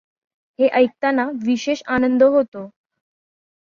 हे ऐकताना विशेष आनंद होतो.